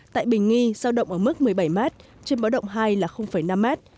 tại bình nghi giao động ở mức một mươi bảy mét trên bớt động hai là năm mét